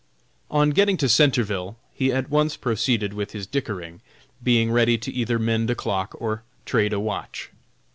On getting to Centreville he at once proceeded with his "dickering," being ready to either mend a clock or trade a watch.